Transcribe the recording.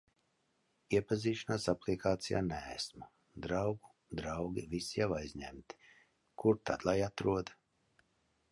Iepazīšanās aplikācijā neesmu, draugu draugi visi jau aizņemti, kur tad lai atrod?